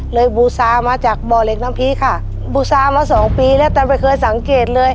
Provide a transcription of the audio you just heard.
บูซามาจากบ่อเหล็กน้ำพีค่ะบูซามาสองปีแล้วแต่ไม่เคยสังเกตเลย